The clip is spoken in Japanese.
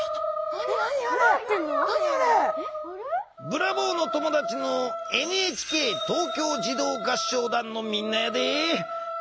ブラボーの友だちのＮＨＫ東京児童合唱団のみんなやで。